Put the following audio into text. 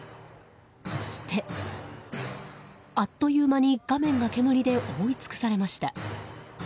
そして、あっという間に画面が煙で覆い尽くされました。